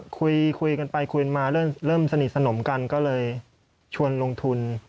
คุยกันไปคุยกันมาเริ่มสนิทสนมกันก็เลยชวนลงทุน